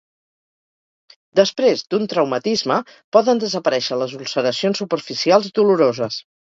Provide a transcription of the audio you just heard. Després d'un traumatisme poden desaparèixer les ulceracions superficials doloroses.